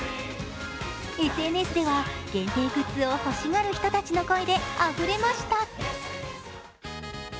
ＳＮＳでは、限定グッズを欲しがる人たちの声であふれました。